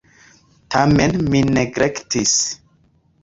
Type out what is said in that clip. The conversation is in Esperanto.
Tamen mi neglektis.